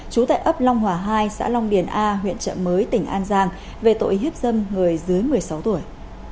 góp long hòa hai xã long điền a huyện trợ mới tỉnh an giang về tội hiếp dân người dưới một mươi sáu tuổi